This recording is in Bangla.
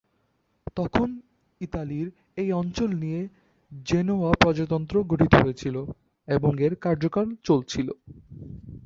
তখন ইতালীর এই অঞ্চল নিয়ে জেনোয়া প্রজাতন্ত্র গঠিত হয়েছিলো এবং এর কার্যকাল চলছিল।